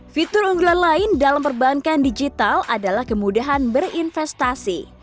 fitur unggulan lain dalam perbankan digital adalah kemudahan berinvestasi